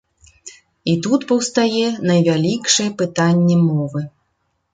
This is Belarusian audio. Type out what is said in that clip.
І тут паўстае найвялікшае пытанне мовы.